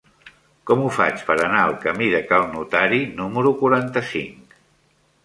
Com ho faig per anar al camí de Cal Notari número quaranta-cinc?